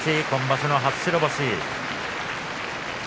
今場所の初白星。